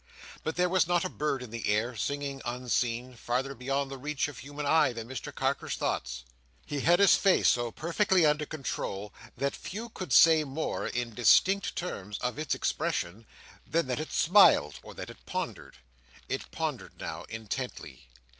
But there was not a bird in the air, singing unseen, farther beyond the reach of human eye than Mr Carker's thoughts. He had his face so perfectly under control, that few could say more, in distinct terms, of its expression, than that it smiled or that it pondered. It pondered now, intently.